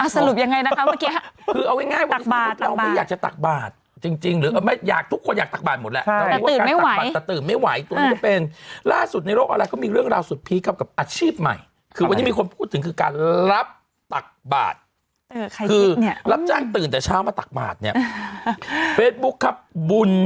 สรุปยังไงนะครับเมื่อกี้คือเอาไงบ้าเราไม่อยากจะตักบาทจริงหรือมัยอยากทุกคนแบบฐานหมดแล้ว